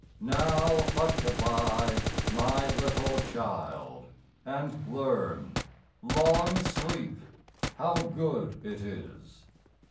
Now hushaby, my little child, and learn Long sleep how good it is.